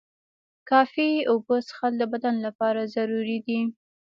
کافی اوبه څښل د بدن لپاره ضروري دي.